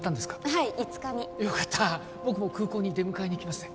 はい５日によかった僕も空港に出迎えに行きますね